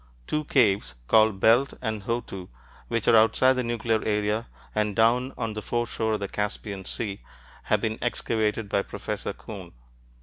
Two caves, called Belt and Hotu, which are outside the nuclear area and down on the foreshore of the Caspian Sea, have been excavated by Professor Coon.